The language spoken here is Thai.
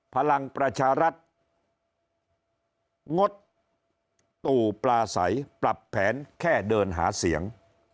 พลังประชารัฐงดตู่ปลาใสปรับแผนแค่เดินหาเสียง